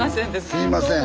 すいません。